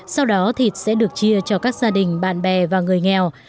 sau đó thịt sẽ được chia cho các gia đình bạn bè và người nghèo